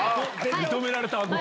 認められたアゴ。